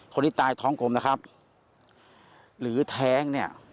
คนที่ตายท้องกลมนะครับหรือแท้งเนี่ย